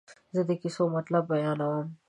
زه د کیسې مطلب بیانوم.